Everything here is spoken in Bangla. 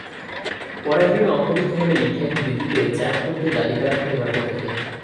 পরাগরেণু অঙ্কুরিত হলে ইন্টাইন বৃদ্ধি পেয়ে জার্মপোর দিয়ে নালিকার আকারে বাড়তে থাকে।